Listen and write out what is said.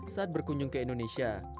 saat berkunjung ke indonesia